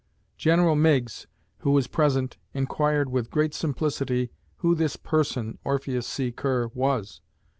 General Meigs, who was present, inquired with great simplicity who this person (Orpheus C. Kerr) was.